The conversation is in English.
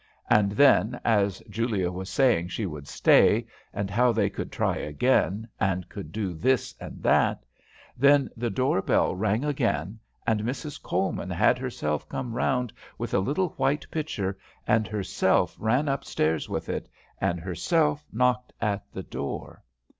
And then, as Julia was saying she would stay, and how they could try again, and could do this and that, then the door bell rang again, and Mrs. Coleman had herself come round with a little white pitcher, and herself ran up stairs with it, and herself knocked at the door!